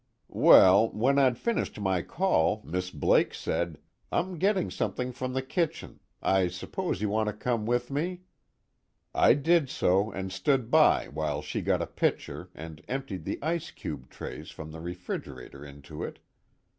"Well when I'd finished my call, Miss Blake said: 'I'm getting something from the kitchen, I suppose you want to come with me?' I did so, and stood by while she got a pitcher and emptied the ice cube trays from the refrigerator into it.